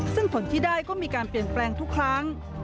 ซึ่งผลที่ได้ก็มีการเปลี่ยนแปลงทุกครั้ง